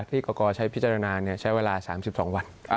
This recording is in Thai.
กรกใช้พิจารณาใช้เวลา๓๒วัน